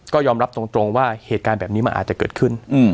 ก็ยอมรับตรงว่าเหตุการณ์แบบนี้มันอาจจะเกิดขึ้น